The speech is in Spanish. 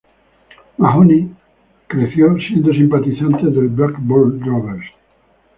Mahony creció siendo simpatizante del Blackburn Rovers.